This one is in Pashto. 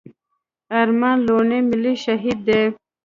ارمان لوڼي ملي شهيد دی.